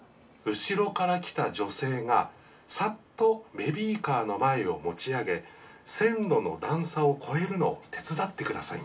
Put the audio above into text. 後ろから来た女性がさっとベビーカーの前を持ち上げ線路の段差を越えるのを手伝ってくださいました。